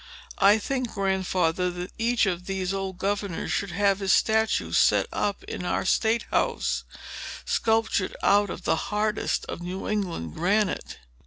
I think, Grandfather, that each of these old governors should have his statue set up in our State House, sculptured out of the hardest of New England granite."